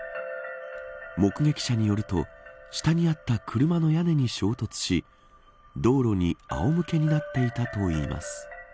目撃者によると下にあった車の屋根に衝突し道路にあおむけになっていたといいます。